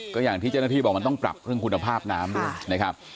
ก็อย่างที่เจ้าหน้าที่บอกมันต้องปรับเรื่องคุณภาพน้ำด้วยนะครับ